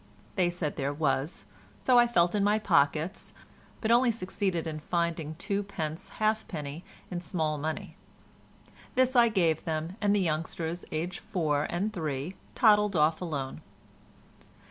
They said there was, so I felt in my pockets, but only succeeded in finding two pence halfpenny in small money. This I gave them, and the youngsters, aged four and three, toddled off alone.